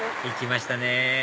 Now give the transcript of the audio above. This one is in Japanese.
行きましたね